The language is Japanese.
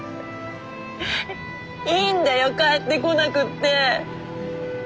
いいんだよ帰ってこなくって。